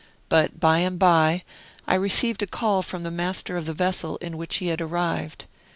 But, by and by, I received a call from the master of the vessel in which he had arrived.